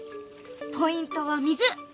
ポイントは水。